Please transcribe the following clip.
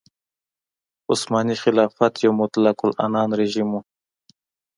عثماني خلافت یو مطلق العنان رژیم و.